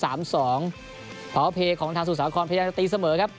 เพราะว่าเพลงของนาทางสุสาครพยายามจะตีเสมอครับ